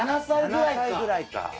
７歳ぐらいか。